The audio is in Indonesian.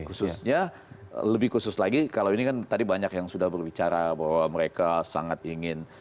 khususnya lebih khusus lagi kalau ini kan tadi banyak yang sudah berbicara bahwa mereka sangat ingin